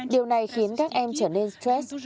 điều này khiến các em trở nên stress